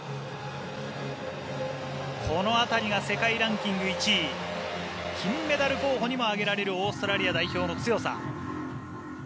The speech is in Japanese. この辺りが世界ランキング１位金メダル候補にも挙げられるオーストラリア代表の強さ。